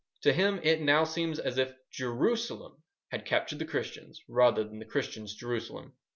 To him it now seems as if Jerusalem had captured the Christians rather than the Christians Jerusalem.